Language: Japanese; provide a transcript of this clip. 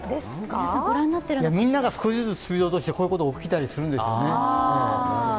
みんなが少しずつスピードを落としてこういうことが起きたりするんですよね。